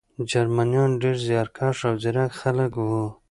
جرمنان ډېر زیارکښ او ځیرک خلک وو